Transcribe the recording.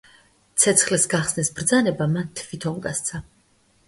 ცეცხლის გახსნის ბრძანება მან თვითონ გასცა.